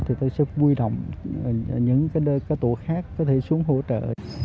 thì tôi sẽ quy động những cái tổ khác có thể xuống hỗ trợ